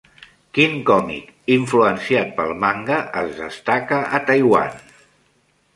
Quin còmic influenciat pel manga es destaca a Taiwan?